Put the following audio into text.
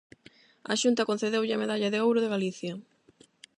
A Xunta concedeulle a Medalla de Ouro de Galicia.